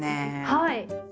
はい。